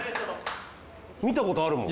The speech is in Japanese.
見た事あるもん。